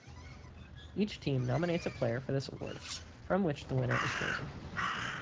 Each team nominates a player for this award, from which the winner is chosen.